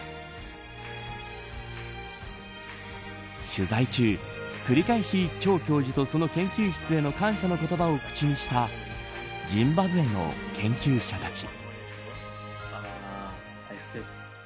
取材中、繰り返し、趙教授とその研究室への感謝の言葉を口にしたジンバブエの研究者たち。